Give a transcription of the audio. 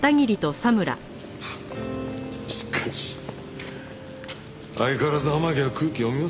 フッしかし相変わらず天樹は空気読みませんね。